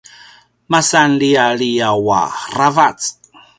masan lialiaw aravac